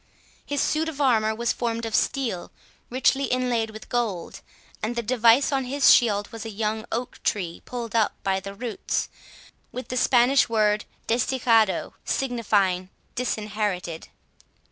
His suit of armour was formed of steel, richly inlaid with gold, and the device on his shield was a young oak tree pulled up by the roots, with the Spanish word Desdichado, signifying Disinherited.